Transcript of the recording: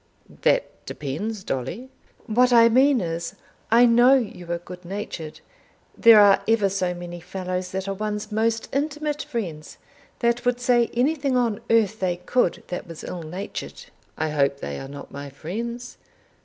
"That depends, Dolly." "What I mean is, I know you are good natured. There are ever so many fellows that are one's most intimate friends, that would say anything on earth they could that was ill natured." "I hope they are not my friends."